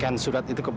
apa yang bisa dirakani